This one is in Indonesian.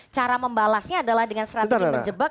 cara membalasnya adalah dengan strategi menjebak